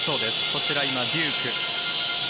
こちら、今、デューク。